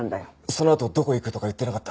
そのあとどこ行くとか言ってなかった？